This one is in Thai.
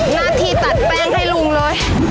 หน้าที่ตัดแป้งให้ลุงเลย